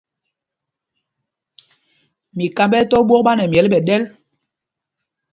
Mikámb ɛ tɔ̄ ɓwôk ɓá nɛ myɛl ɓɛ̌ ɗɛ́l.